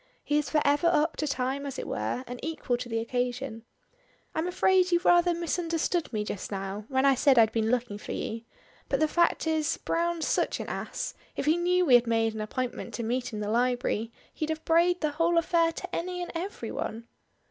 He is for ever up to time as it were, and equal to the occasion. "I'm afraid you rather misunderstood me just now, when I said I'd been looking for you but the fact is, Browne's such an ass, if he knew we had made an appointment to meet in the library, he'd have brayed the whole affair to any and every one."